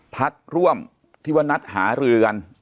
พักร่วมที่ว่านัดหารือกัน